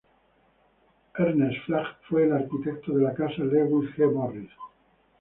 Ernest Flagg fue el arquitecto de la Casa Lewis G. Morris.